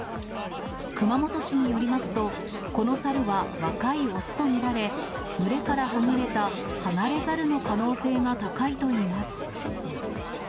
熊本市によりますと、このサルは若い雄と見られ、群れからはぐれたハナレザルの可能性が高いといいます。